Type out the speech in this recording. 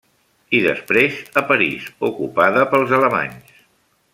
I després a París, ocupada pels alemanys.